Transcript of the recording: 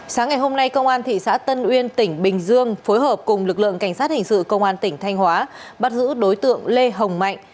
sáng ngày hôm nay công an thị xã tân uyên tỉnh bình dương phối hợp cùng lực lượng cảnh sát hình sự công an tỉnh thanh hóa bắt giữ đối tượng lê hồng mạnh